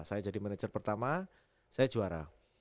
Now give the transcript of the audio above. saya jadi manajer pertama saya juara